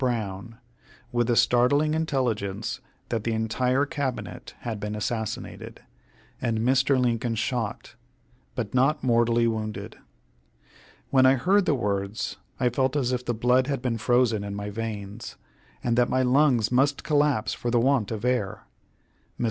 Brown, with the startling intelligence that the entire Cabinet had been assassinated, and Mr. Lincoln shot, but not mortally wounded. When I heard the words I felt as if the blood had been frozen in my veins, and that my lungs must collapse for the want of air. Mr.